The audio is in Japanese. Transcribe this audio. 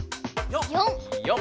４！４。